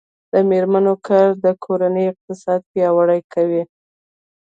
د میرمنو کار د کورنۍ اقتصاد پیاوړی کوي.